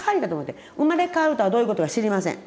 生まれ変わるとはどういうことか知りません。